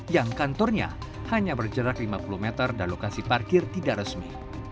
yang kantornya hanya berjarak lima puluh meter dan lokasi parkir tidak resmi